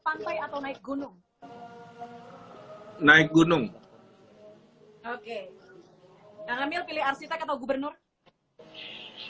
pantai atau naik gunung naik gunung okeyle pih seiten its i plugins akhirnya dan pilih architect atau gubernur who is